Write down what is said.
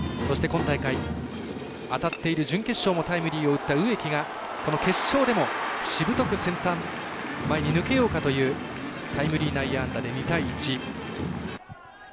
今大会、当たっている準決勝もタイムリーを打った植木が決勝でもしぶとくセンター前に抜けようかというタイムリー内野安打で２対１。